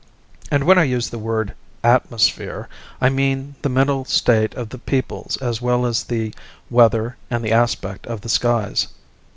And when I use the word "atmosphere" I mean the mental state of the peoples as well as the weather and the aspect of the skies.